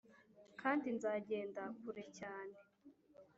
kandi nzagenda kure cyane